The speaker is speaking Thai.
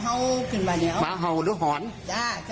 ค่ะฝันเยินผันไยก็เลยมา